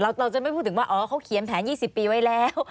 เราจะไม่พูดถึงว่าอ๋อเขาเขียนแผน๒๐ปีไว้แล้ว